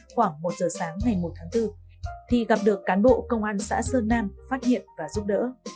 khoảng một giờ sáng ngày một tháng bốn thì gặp được cán bộ công an xã sơn nam phát hiện và giúp đỡ